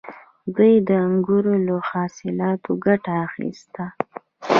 دوی د انګورو له حاصلاتو ګټه اخیسته